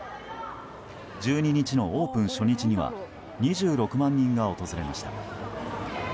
１２日のオープン初日には２６万人が訪れました。